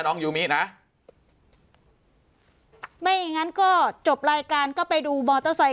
น้องยูมินะไม่งั้นก็จบรายการก็ไปดูโมเตอร์ไซค์